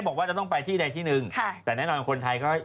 เอาปีระยูตุนแหละ